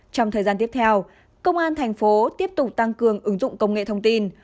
trong thời gian tiếp theo công an thành phố tiếp tục tăng cường ứng dụng công nghệ thông tin